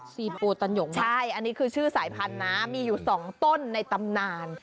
โพตันหยงใช่อันนี้คือชื่อสายพันธุ์นะมีอยู่สองต้นในตำนาน